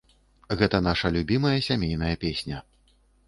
Гэта нашая любімая сямейная песня.